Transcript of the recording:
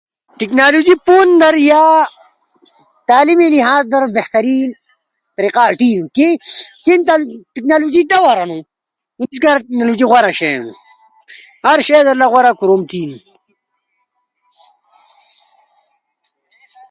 ٹیکنالوجی پوندر یا تعلیم لحاظ در بہترین طریقہ آٹی اینو، چین در انا ٹیکنالوجی دور ہنو۔ سیس کارا ٹیکنالوجی گورا شیئی ہنو۔ ہر شیئی در لا غورا کوروم تھینی۔